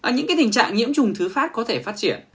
những tình trạng nhiễm trùng thứ phát có thể phát triển